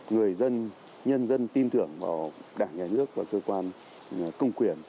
người dân nhân dân tin tưởng vào đảng nhà nước và cơ quan công quyền